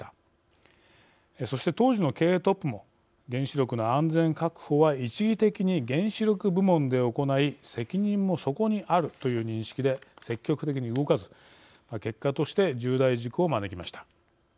そして当時の経営トップも原子力の安全確保は一義的に原子力部門で行い責任もそこにあるという認識で積極的に動かず結果として重大事故を招きました。